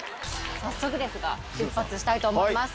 早速ですが出発したいと思います。